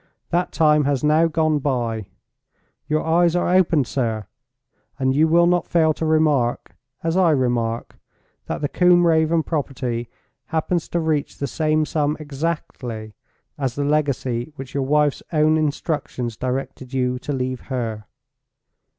That time has now gone by. Your eyes are opened, sir; and you will not fail to remark (as I remark) that the Combe Raven property happens to reach the same sum exactly, as the legacy which your wife's own instructions directed you to leave her.